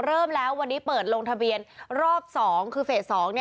ย้ำกันอีกสักครั้ง